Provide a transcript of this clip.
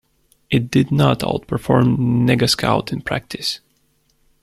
It did not outperform NegaScout in practice.